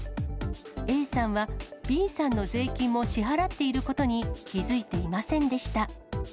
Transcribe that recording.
ＡさんはＢさんの税金も支払っていることに気付いていませんでした。